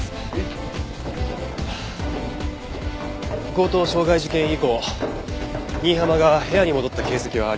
強盗傷害事件以降新浜が部屋に戻った形跡はありません。